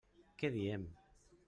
Què diem?